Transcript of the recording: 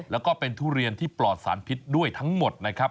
แล้วก็เป็นทุเรียนที่ปลอดสารพิษด้วยทั้งหมดนะครับ